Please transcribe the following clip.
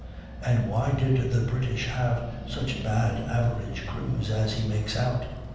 And why did the British have such bad average crews as he makes out?